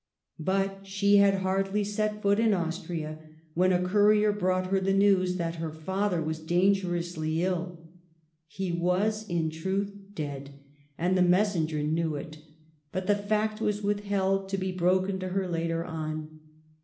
But she had hardly set foot in Austria when a courier brought her the news that her father was danger ously ill. He was, in truth, dead, and the mes senger knew it ; but the fact was withheld, to be broken to her later on.